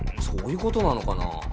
そういうことなのかな？